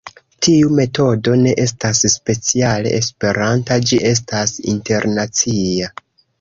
Tiu metodo ne estas speciale Esperanta, ĝi estas internacia.